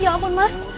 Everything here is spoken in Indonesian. ya ampun mas